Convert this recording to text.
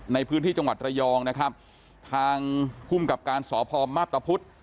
ในพื้นที่จังหวัดระยองนะครับทางภูมิกับการสพมาพตะพุธ